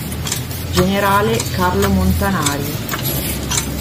Generale Carlo Montanari